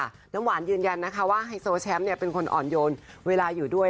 น้ำหวานยืนยันนะคะว่าไฮโซแชมป์เป็นคนอ่อนโยนเวลาอยู่ด้วย